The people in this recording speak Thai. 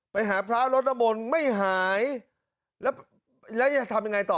ไปหาพระรถน้ำมนต์ไม่หายแล้วแล้วจะทำยังไงต่อ